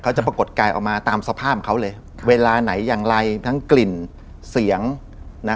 จะปรากฏกายออกมาตามสภาพเขาเลยเวลาไหนอย่างไรทั้งกลิ่นเสียงนะ